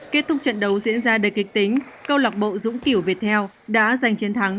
kết thúc trận đấu diễn ra đầy kịch tính câu lọc bộ dũng kiểu việt heo đã giành chiến thắng